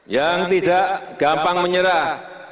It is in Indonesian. yang tidak gampang menyerah